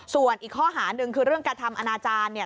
ส่วนอีกข้อหาหนึ่งคือเรื่องกระทำอนาจารย์เนี่ย